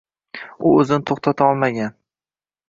U o`zini to`xtatolmagan